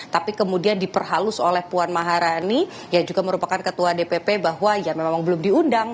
tapi kemudian diperhalus oleh puan maharani yang juga merupakan ketua dpp bahwa ya memang belum diundang